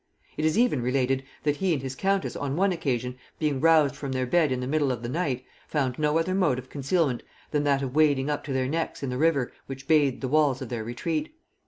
It is even related that he and his countess on one occasion being roused from their bed in the middle of the night, found no other mode of concealment than that of wading up to their necks in the river which bathed the walls of their retreat.